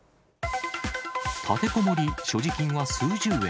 立てこもり、所持金は数十円。